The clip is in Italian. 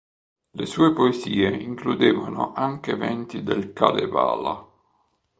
Le sue poesie includevano anche eventi del Kalevala.